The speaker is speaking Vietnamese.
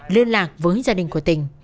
liên lạc với gia đình của tình